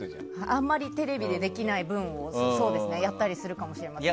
あまりテレビでできない分やったりするかもしれません。